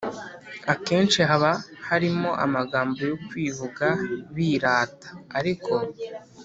Akenshi haba harimo amagambo yo kwivuga birata ariko